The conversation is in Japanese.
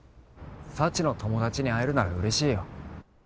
幸の友達に会えるなら嬉しいよ。